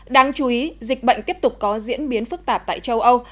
đáng chú ý dịch bệnh tiếp tục có diễn biến phức tạp tại châu âu